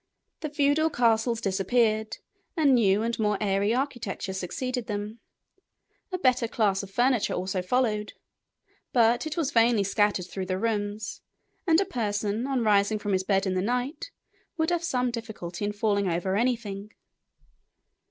The feudal castles disappeared, and new and more airy architecture succeeded them. A better class of furniture also followed; but it was very thinly scattered through the rooms, and a person on rising from his bed in the night would have some difficulty in falling over anything.